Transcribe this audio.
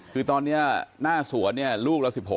คือตอนนี้หน้าสวนเนี่ยลูกละ๑๖